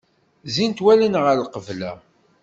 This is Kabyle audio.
Zzint wallen ɣer lqebla.